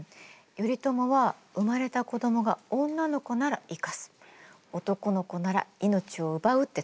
頼朝は生まれた子どもが女の子なら生かす男の子なら命を奪うって告げてたの。